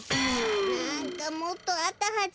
なんかもっとあったはず。